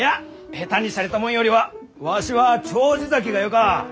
下手にしゃれたもんよりはわしは丁子咲がよか！